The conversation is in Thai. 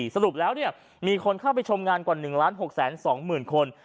สรุปแล้วมีคนเข้าไปชมงานกว่า๑๖๒๐๐๐คน